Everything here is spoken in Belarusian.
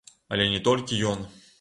Але не толькі ён.